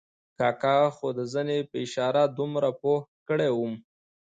کاکا خو د زنې په اشاره دومره پوه کړی وم.